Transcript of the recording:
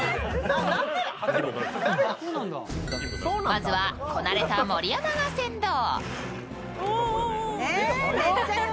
まずはこなれた盛山が先頭。